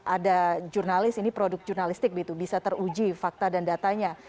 ada jurnalis ini produk jurnalistik bisa teruji fakta dan datanya